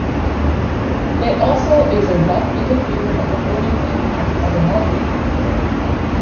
It also is a rough indicator of the earnings impact of a marketing activity.